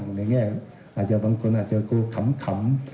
ในแง่อาจจะบางคนอาจจะกลัวขำ